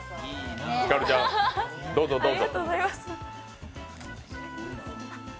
ひかるちゃん、どうぞどうぞ。